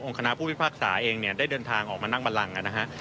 องค์คณะผู้พิพักษาเองได้เดินทางออกมานั่งบรรลังนะครับ